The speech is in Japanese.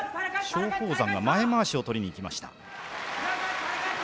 松鳳山が前まわしを取りにいきました。